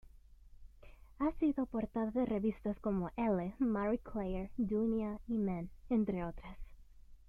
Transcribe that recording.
Ha sido portada de revistas como "Elle", "Marie Claire", "Dunia" y "Man", entre otras.